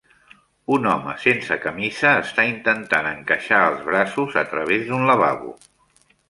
Un home sense camisa està intentant encaixar els braços a través d'un lavabo.